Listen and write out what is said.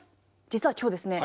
実は今日ですね